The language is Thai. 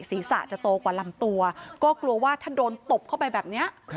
ศีรษะจะโตกว่าลำตัวก็กลัวว่าถ้าโดนตบเข้าไปแบบนี้